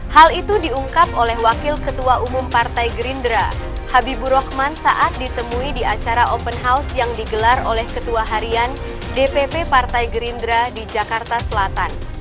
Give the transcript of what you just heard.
hal itu diungkap oleh wakil ketua umum partai gerindra habibur rahman saat ditemui di acara open house yang digelar oleh ketua harian dpp partai gerindra di jakarta selatan